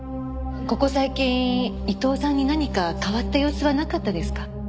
ここ最近伊藤さんに何か変わった様子はなかったですか？